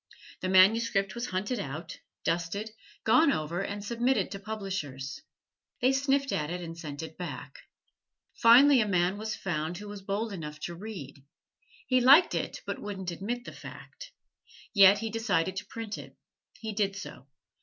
The manuscript was hunted out, dusted, gone over, and submitted to publishers. They sniffed at it and sent it back. Finally a man was found who was bold enough to read. He liked it, but wouldn't admit the fact. Yet he decided to print it. He did so.